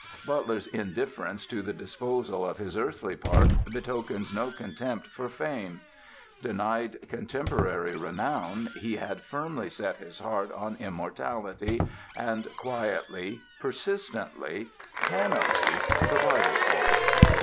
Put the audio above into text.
Butler's indifference to the disposal of his earthly part betokens no contempt for fame. Denied contemporary renown, he had firmly set his heart on immortality, and quietly, persistently, cannily provided for it.